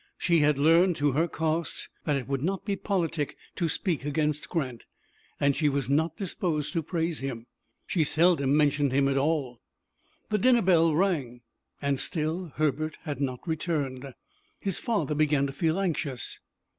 She had learned, to her cost, that it would not be politic to speak against Grant, and she was not disposed to praise him. She seldom mentioned him at all. The dinner bell rang, and still Herbert had not returned. His father began to feel anxious.